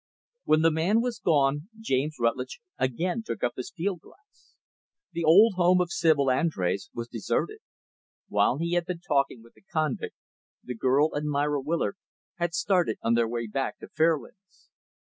When the man was gone, James Rutlidge again took up his field glass. The old home of Sibyl Andrés was deserted. While he had been talking with the convict, the girl and Myra Willard had started on their way back to Fairlands.